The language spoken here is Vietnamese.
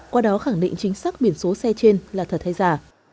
qua đó khẳng định chính xác biển số xe trên là thật hay giả